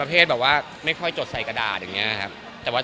เหมือนบอกว่ามีหลายอย่างที่ต้องทำ